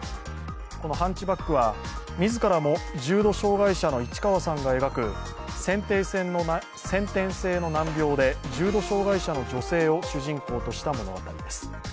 この「ハンチバック」は、自らも重度障害者の市川さんが描く先天性の難病で重度障害者の女性を主人公にした物語です。